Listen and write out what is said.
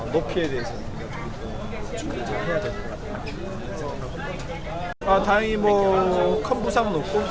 tapi semua pemain ini berkondisi yang bagus